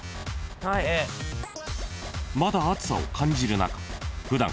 ［まだ暑さを感じる中普段から］